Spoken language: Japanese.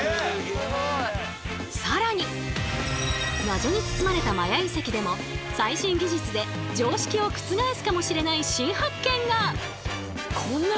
更に謎に包まれたマヤ遺跡でも最新技術で常識を覆すかもしれない新発見が！？